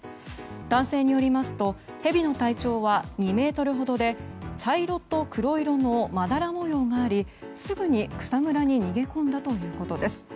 男性によりますとヘビの体長は２ｍほどで茶色と黒色のまだら模様がありすぐに草むらに逃げ込んだということです。